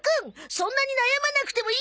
そんなに悩まなくてもいいよ。